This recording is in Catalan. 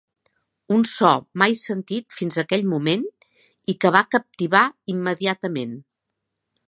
Un so mai sentit fins aquell moment i que va captivar immediatament.